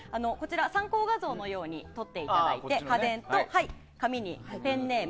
参考画像のように撮っていただいて家電と、紙にペンネーム